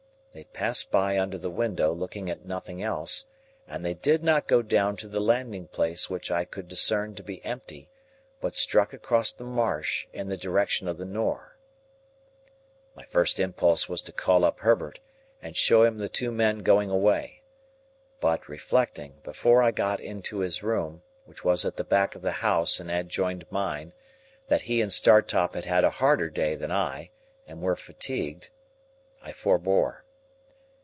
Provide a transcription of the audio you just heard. They passed by under the window, looking at nothing else, and they did not go down to the landing place which I could discern to be empty, but struck across the marsh in the direction of the Nore. My first impulse was to call up Herbert, and show him the two men going away. But reflecting, before I got into his room, which was at the back of the house and adjoined mine, that he and Startop had had a harder day than I, and were fatigued, I forbore.